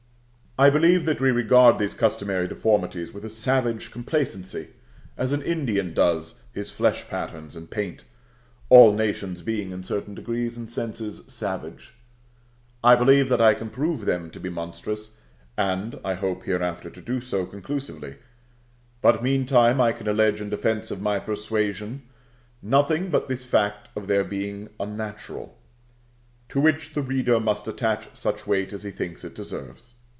I believe that we regard these customary deformities with a savage complacency, as an Indian does his flesh patterns and paint (all nations being in certain degrees and senses savage). I believe that I can prove them to be monstrous, and I hope hereafter to do so conclusively; but, meantime, I can allege in defence of my persuasion nothing but this fact of their being unnatural, to which the reader must attach such weight as he thinks it deserves.